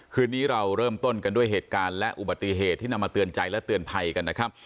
คืนนี้เราเริ่มต้นกันด้วยเหตุการณ์และอุบัติเหตุที่นำมาเตือนใจและเตือนภัยกันนะครับ